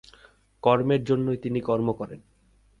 কর্মের জন্যই তিনি কর্ম করেন।